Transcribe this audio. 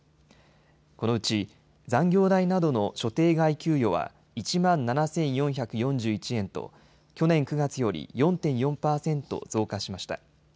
このうち残業代などの所定外給与は１万７４４１円と去年９月より４．４％増加しました。